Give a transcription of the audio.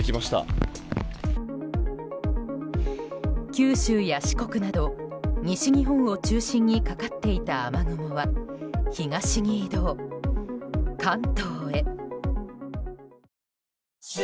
九州や四国など西日本を中心にかかっていた雨雲は東に移動、関東へ。